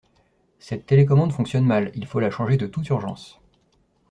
Cette télécommande fonctionne mal, il faut la changer de toute urgence.